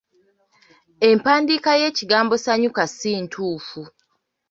Empandiika y'ekigambo ‘ssanyuuka’ ssi ntuufu.